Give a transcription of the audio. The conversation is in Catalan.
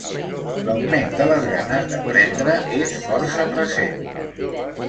L'augment de les ganes d'aprendre és força present.